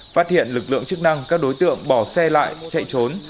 phát hiện lực lượng chức năng các đối tượng bỏ xe lại chạy trốn